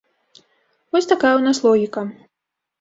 Вось такая ў нас логіка.